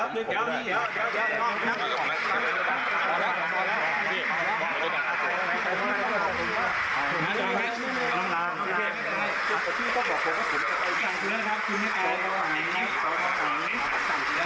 บรรยากาศหายของพวกมัน